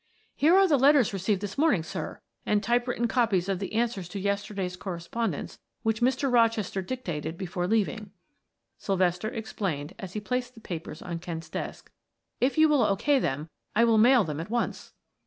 "Here are the letters received this morning, sir, and type written copies of the answers to yesterday's correspondence which Mr. Rochester dictated before leaving," Sylvester explained as he placed the papers on Kent's desk. "If you will o.k. them, I will mail them at once."